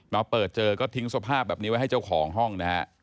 มาเปิดเจอก็ทิ้งสภาพแบบนี้ไว้ให้เจ้าของห้องนะฮะ